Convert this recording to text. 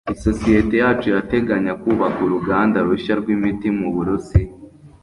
Isosiyete yacu irateganya kubaka uruganda rushya rw'imiti mu Burusiya.